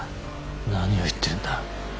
何を言ってるんだ？